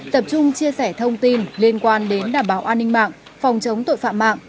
tập trung chia sẻ thông tin liên quan đến đảm bảo an ninh mạng phòng chống tội phạm mạng